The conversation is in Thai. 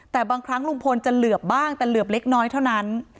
แต่บางครั้งลุงพลจะเหลือบบ้างแต่เหลือบเล็กน้อยเท่านั้น